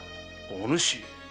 お主！